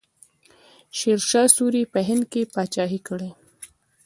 شیرشاه سوري په هند کې پاچاهي کړې.